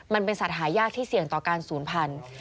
มันเป็นสัตว์หายากที่เสี่ยงต่อการศูนย์พันธุ์